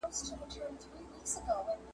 مگر هېر به وایه څنگه ستا احسان کړم ,